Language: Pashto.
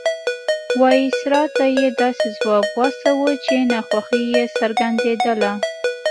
وایسرا ته یې داسې ځواب واستاوه چې ناخوښي یې څرګندېدله.